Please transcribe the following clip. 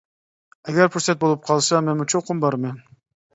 ئەگەر پۇرسەت بولۇپ قالسا مەنمۇ چوقۇم بارىمەن.